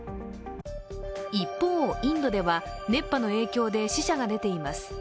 一方、インドでは、熱波の影響で死者が出ています。